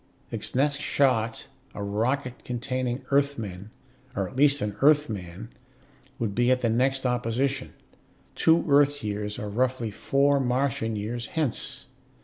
Its next shot, a rocket containing Earthmen, or at least an Earthman, would be at the next opposition, two Earth years, or roughly four Martian years, hence.